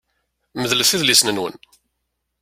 Medlet idlisen-nwen!